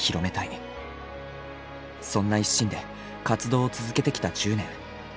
そんな一心で活動を続けてきた１０年。